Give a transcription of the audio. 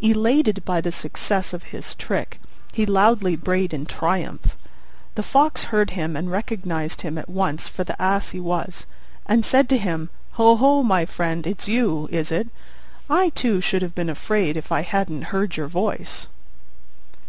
Elated by the success of his trick, he loudly brayed in triumph. The Fox heard him, and recognised him at once for the Ass he was, and said to him, "Oho, my friend, it's you, is it? I, too, should have been afraid if I hadn't heard your voice."